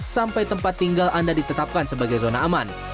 sampai tempat tinggal anda ditetapkan sebagai zona aman